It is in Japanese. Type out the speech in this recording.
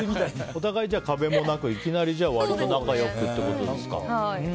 お互い壁もなくいきなり仲良くってことですか。